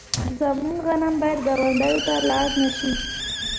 زموږ غنم باید ګاونډیو ته لاړ نشي.